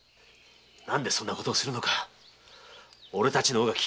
何でそんなことをするのか俺たちの方が聞きてえくらいだ。